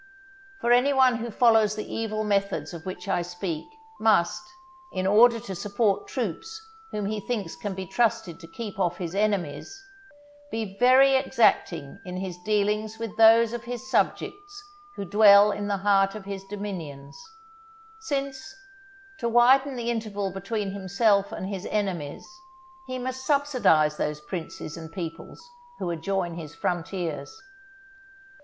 For any one who follows the evil methods of which I speak, must, in order to support troops whom he thinks can be trusted to keep off his enemies, be very exacting in his dealings with those of his subjects who dwell in the heart of his dominions; since, to widen the interval between himself and his enemies, he must subsidize those princes and peoples who adjoin his frontiers.